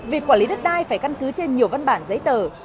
việc quản lý đất đai phải căn cứ trên nhiều văn bản giấy tờ